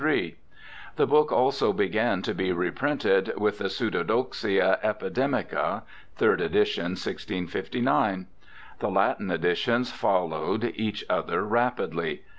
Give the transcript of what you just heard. Th^ work also began to be reprinted with the Pseudodoxia Epideniica (third edition, 1659). The Latin editions followed each other rapidly.